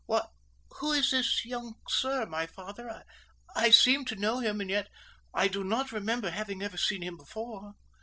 "Why, who is this young sir, my father? I seem to know him, and yet I do not remember having ever seen him before!"